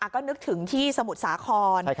ก็นึกถึงที่สมุทรสาคร